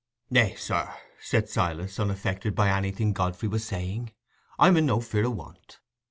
"Eh, sir," said Silas, unaffected by anything Godfrey was saying, "I'm in no fear o' want.